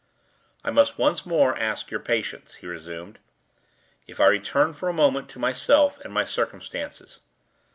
"I must once more ask your patience," he resumed, "if I return for a moment to myself and my circumstances.